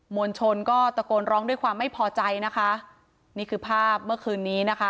วลชนก็ตะโกนร้องด้วยความไม่พอใจนะคะนี่คือภาพเมื่อคืนนี้นะคะ